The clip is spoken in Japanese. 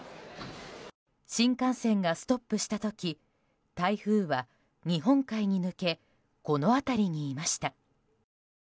新幹線がストップした時台風は日本海に抜けこの辺りにいました。